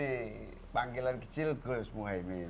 jadi gini panggilan kecil gus muhaymin